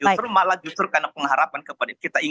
justru malah karena pengharapan kita ingatkan pulang